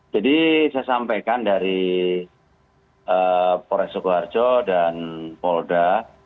jadi saya sampaikan dari polres sukoharjo dan polda